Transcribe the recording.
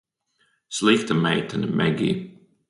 Slikta meitene, Megij.